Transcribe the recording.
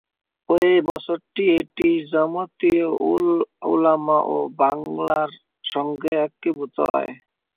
ওই বছরই এটি জামিয়াত-উল-উলামা-ই-বাঙ্গালার সঙ্গে একীভূত হয়।